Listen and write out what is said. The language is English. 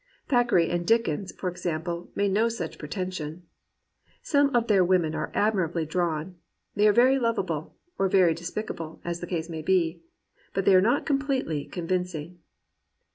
Thackeray and Dickens, for example, made no such pretension. Some of their women are admi rably drawn; they are very lovable, or very despi cable, as the case may be; but they are not completely convincing.